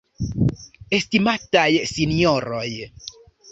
Estimataj sinjoroj!